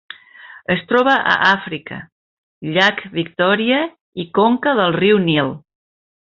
Es troba a Àfrica: llac Victòria i conca del riu Nil.